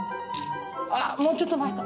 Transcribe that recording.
あっもうちょっと前か。